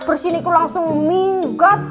bersihnya itu langsung minggat